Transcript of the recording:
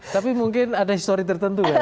tapi mungkin ada story tertentu